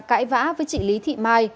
cãi vã với chị lý thị mai